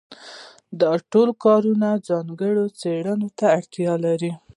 دا ټول کارونه ځانګړې څېړنې ته اړتیا لري.